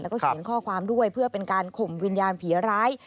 แล้วก็เขียนข้อความด้วยเพื่อเป็นการข่มวิญญาณผีร้าย